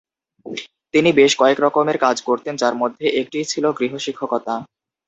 তিনি বেশ কয়েকরকমের কাজ করতেন যার মধ্যে একটি ছিল গৃহশিক্ষকতা।